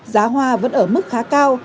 giá hoa vẫn ở mức khá cao